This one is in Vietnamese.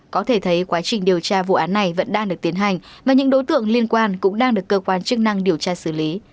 có thể thấy quá trình điều tra vụ án này vẫn đang được tiến hành mà những đối tượng liên quan cũng đang được cơ quan chức năng điều tra xử lý